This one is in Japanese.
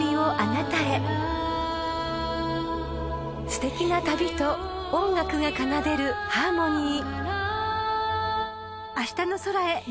［すてきな旅と音楽が奏でるハーモニー］